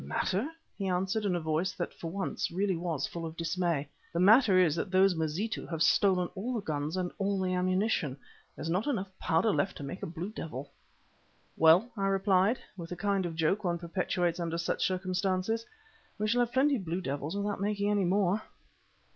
"Matter!" he answered in a voice that for once really was full of dismay. "The matter is that those Mazitu have stolen all the guns and all the ammunition. There's not enough powder left to make a blue devil." "Well," I replied, with the kind of joke one perpetrates under such circumstances, "we shall have plenty of blue devils without making any more."